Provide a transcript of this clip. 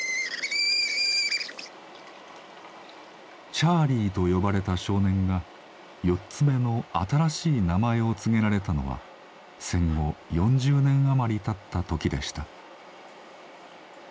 チャーリーと呼ばれた少年が４つ目の新しい名前を告げられたのは戦後４０年余りたった時でした。